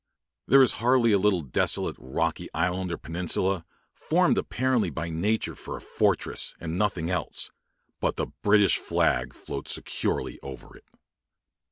There is hardly a little desolate, rocky island or peninsula, formed apparently by Nature for a fortress, and nothing else, but the British flag floats securely over it.